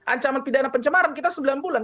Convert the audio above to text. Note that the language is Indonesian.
ancaman pidana pencemaran kita sembilan bulan